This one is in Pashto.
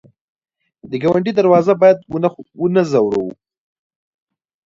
د ګاونډي دروازه باید ونه ځوروو